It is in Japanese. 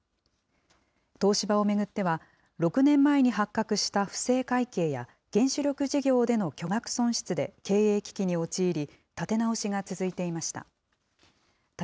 東芝を巡っては、６年前に発覚した不正会計や原子力事業での巨額損失で経営危機に陥り、立て直しが続いていました。